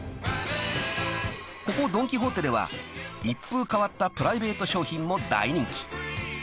［ここドン・キホーテでは一風変わったプライベート商品も大人気］